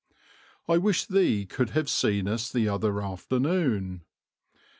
I wish thee could have seen us the other afternoon.